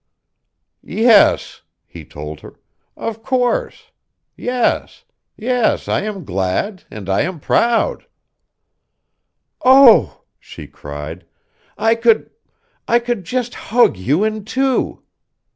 "Yes," he told her. "Of course. Yes. Yes, I am glad, and I am proud." "Oh," she cried, "I could I could just hug you in two."